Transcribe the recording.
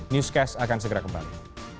newscast akan segera kembali